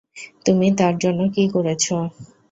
তুমি তার জন্য কী করেছ?